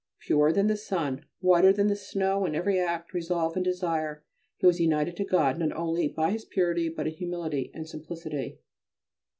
Purer than the sun, whiter than the snow in every act, resolve, and desire, he was united to God not only by his purity, but in humility and simplicity.